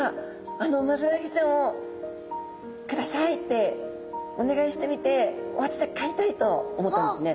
あのウマヅラハギちゃんをくださいっておねがいしてみておうちでかいたいと思ったんですね。